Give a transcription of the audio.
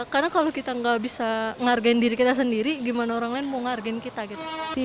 karena kalau kita nggak bisa ngargain diri kita sendiri gimana orang lain mau ngargain kita gitu